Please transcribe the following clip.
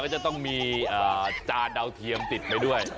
จะต้องมีจานดาวเทียมติดไปด้วย